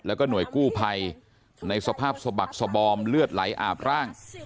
แล้วก็หน่วยกู้ภัยในสภาพสบักสบอมเลือดไหลอาบร่าง